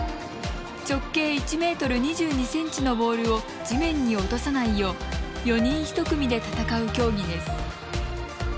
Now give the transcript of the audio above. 直径１ｍ２２ｃｍのボールを地面に落とさないよう４人１組で戦う競技です。